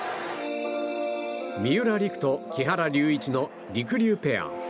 三浦璃来と木原龍一のりくりゅうペア。